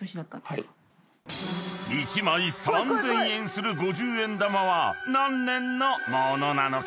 ［１枚３，０００円する五十円玉は何年の物なのか？］